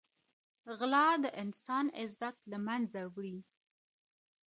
غلا د انسان عزت له منځه وړي.